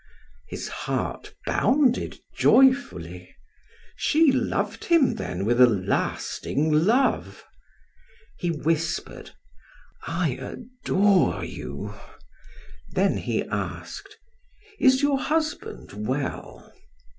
His heart bounded joyfully. She loved him then with a lasting love! He whispered: "I adore you." Then he asked: "Is your husband well?"